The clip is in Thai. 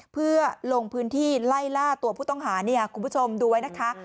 เพื่อลงพื้นที่ไล่ล่าตัวผู้ต้องหาคุณผู้ชมดูไว้นะคะ